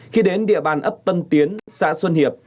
khi đến địa bàn ấp tân tiến xã xuân hiệp